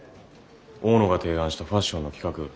大野が提案したファッションの企画。